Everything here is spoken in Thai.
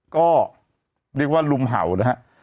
ก็เรียกว่าลุมเห่านะฮะ